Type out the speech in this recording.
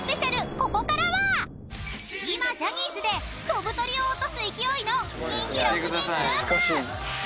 ここからは今ジャニーズで飛ぶ鳥を落とす勢いの人気６人グループ］